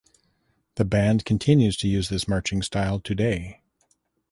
The band continues to use this marching style today.